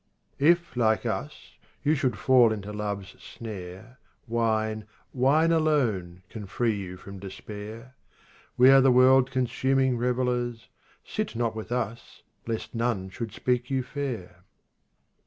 6 If, like us, you should fall into love's snare. Wine, wine alone can free you from despair. We are the world consuming revellers ; Sit not with us, lest none should speak you fair.